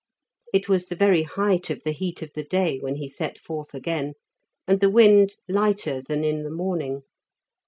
It was the very height of the heat of the day when he set forth again, and the wind lighter than in the morning.